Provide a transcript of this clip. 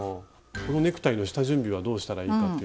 このネクタイの下準備はどうしたらいいかっていうのを。